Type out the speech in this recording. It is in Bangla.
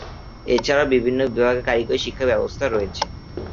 এছাড়াও বিভিন্ন বিভাগে কারিগরি শিক্ষার ব্যবস্থাও রয়েছে।